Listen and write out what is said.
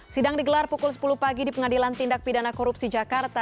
sidang digelar pukul sepuluh pagi di pengadilan tindak pidana korupsi jakarta